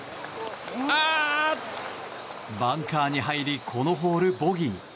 バンカーに入りこのホール、ボギー。